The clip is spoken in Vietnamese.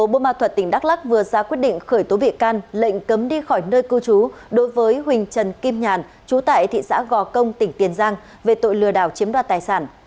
bộ ma thuật tỉnh đắk lắc vừa ra quyết định khởi tố bị can lệnh cấm đi khỏi nơi cư trú đối với huỳnh trần kim nhàn chú tại thị xã gò công tỉnh tiền giang về tội lừa đảo chiếm đoạt tài sản